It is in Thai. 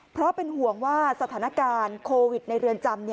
เพราะเป็นห่วงว่าสถานการณ์โควิดในเรือนจำ